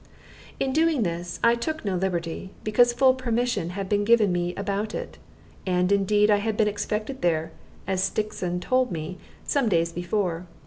In doing this I took no liberty, because full permission had been given me about it; and indeed I had been expected there, as Stixon told me, some days before.